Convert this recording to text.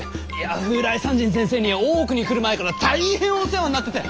風来山人先生には大奥に来る前から大変お世話んなってて！